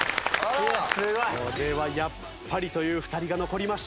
これはやっぱりという２人が残りました。